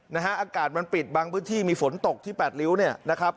นะฮะอากาศมันปิดบางพื้นที่มีฝนตกที่แปดริ้วเนี่ยนะครับ